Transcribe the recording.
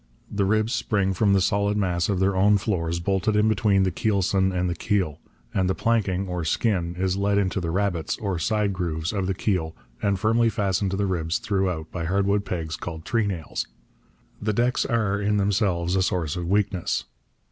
The ribs spring from the solid mass of their own floors bolted in between the keelson and the keel; and the planking, or skin, is let into the rabbets, or side grooves, of the keel and firmly fastened to the ribs throughout by hardwood pegs called treenails. The decks are, in themselves, a source of weakness.